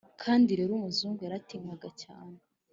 kandi rero umuzungu yaratinywaga cyane.